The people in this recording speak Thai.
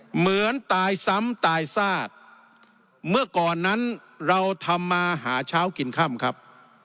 เหมือนตายซ้ำตายซากเมื่อก่อนนั้นเราทำมาหาเช้ากินค่ำครับ